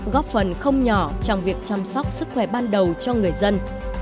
góp phần không nhỏ trong việc chăm sóc sức khỏe ban đầu cho người dân